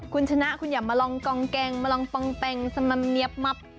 คุณชนะคุณอย่ามาลองกองแกงมาลองปองแปงสมัมเนี๊ยบมับ